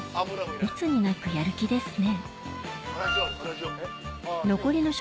いつになくやる気ですね